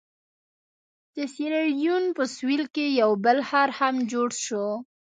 د سیریلیون په سوېل کې یو بل ښار هم جوړ شو.